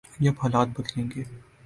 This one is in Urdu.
جب حالات بدلیں گے۔